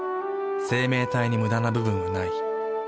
生命体にムダな部分はない。